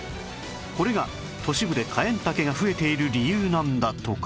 これが都市部でカエンタケが増えている理由なんだとか